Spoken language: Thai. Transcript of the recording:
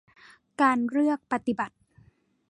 การเลือกปฏิบัติ